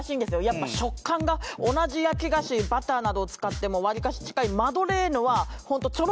やっぱ食感が同じ焼き菓子バターなどを使ってもわりかし近いんですよ